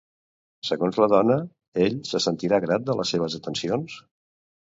Segons la dona, ell se sentirà grat de les seves atencions?